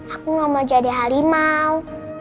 aku gak mau jadi harimau